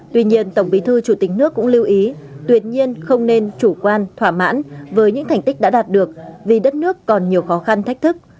tuy nhiên tổng bí thư chủ tịch nước cũng lưu ý tuyệt nhiên không nên chủ quan thỏa mãn với những thành tích đã đạt được vì đất nước còn nhiều khó khăn thách thức